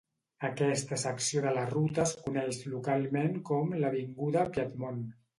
Aquesta secció de la ruta es coneix localment com l'"avinguda Piedmont".